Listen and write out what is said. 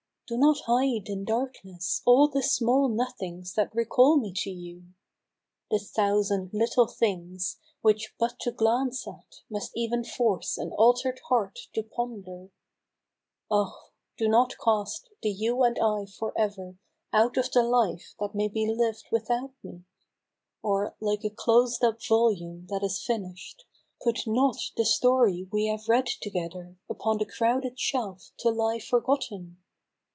Do not hide in darkness All the small nothings that recall me to you ! The thousand little things, which but to glance at Must even force an alter'd heart to ponder, Oh ! do not cast the " You and I " for ever Out of the life that may be lived without me, Or, like a closed up volume that is finish'd, Put not the story we have read together Upon the crowded shelf to lie forgotten